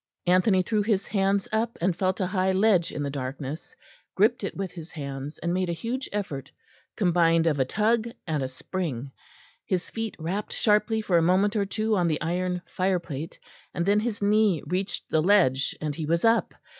Anthony threw his hands up and felt a high ledge in the darkness, gripped it with his hands and made a huge effort combined of a tug and a spring; his feet rapped sharply for a moment or two on the iron fire plate; and then his knee reached the ledge and he was up.